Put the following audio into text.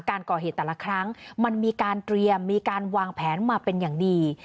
การก่อเหตุแต่ละครั้งมันมีการเตรียมมีการวางแผนมาเป็นอย่างดี